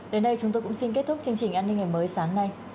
đến đây chúng tôi cũng xin kết thúc chương trình an ninh ngày mới sáng nay